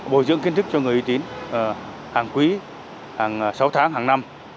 bồi dưỡng kiến thức cho người uy tín hàng quý hàng sáu tháng hàng năm